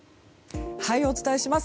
お伝えします。